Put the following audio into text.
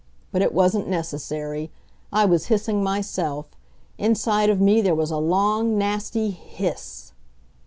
But it wasn't necessary. I was hissing myself. Inside of me there was a long, nasty hiss ss ss!